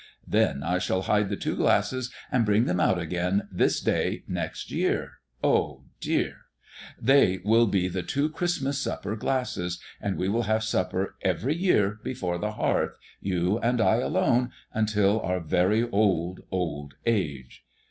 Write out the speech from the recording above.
Then I shall hide the two glasses and bring them out again this day next year, eh, dear? They will be the Christmas supper glasses, and we will have supper every year before the hearth, you and I alone, until our very old, old age."